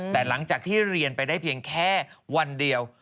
แต่หลังจากที่เรียนไปได้เพียงแค่วันเดียว